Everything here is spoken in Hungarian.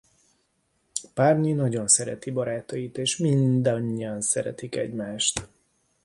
Barney nagyon szereti barátait és mindannyian szeretik egymást.